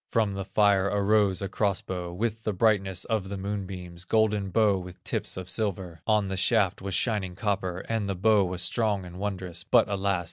From the fire arose a cross bow, With the brightness of the moonbeams, Golden bow with tips of silver; On the shaft was shining copper, And the bow was strong and wondrous, But alas!